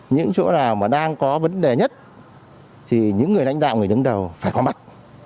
những chỗ nào mà đang có vấn đề nhất thì những người lãnh đạo người đứng đầu phải có mặt